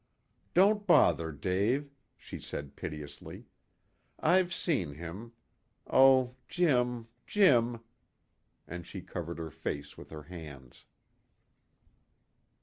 "Don't bother, Dave," she said piteously. "I've seen him. Oh, Jim Jim!" And she covered her face with her hands.